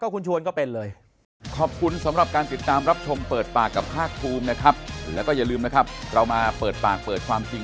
คุณชวนอีกไป